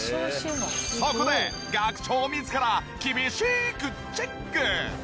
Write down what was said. そこで学長自ら厳しくチェック！